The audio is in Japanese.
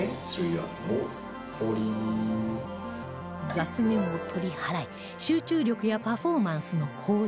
雑念を取り払い集中力やパフォーマンスの向上